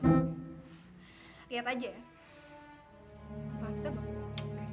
lihat aja ya masalah kita belum bisa